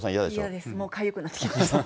嫌です、もうかゆくなってきました。